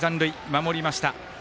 守りました。